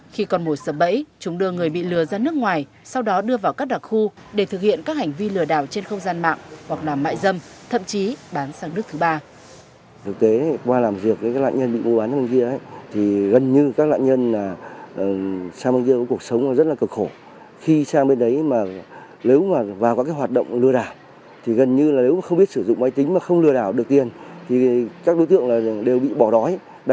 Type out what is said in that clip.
khi còn mồi sập bẫy chúng đưa người bị lừa ra nước ngoài sau đó đưa vào các đặc khu để thực hiện các hành vi lừa đảo trên không gian mạng hoặc làm mạnh dâm thậm chí bán sang nước thứ ba